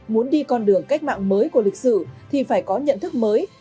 muốn đi con đường cách mạng mới của lịch sử thì phải có nhận thức mới